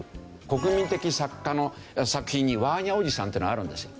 国民的作家の作品に『ワーニャ伯父さん』っていうのがあるんですよ。